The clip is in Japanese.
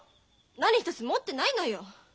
何一つ持ってないのよ。